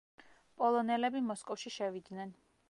პოლონელები მოსკოვში შევიდნენ.